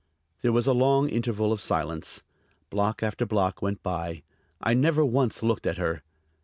There was a long interval of silence; block after block went by. I never once looked at her.